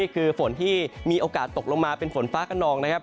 คือฝนที่มีโอกาสตกลงมาเป็นฝนฟ้ากระนองนะครับ